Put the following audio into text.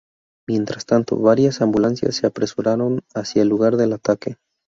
Mientras tanto, varias ambulancias se apresuraron hacia el lugar del ataque.